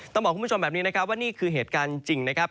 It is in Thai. ต้องบอกคุณผู้ชมแบบนี้นะครับว่านี่คือเหตุการณ์จริงนะครับ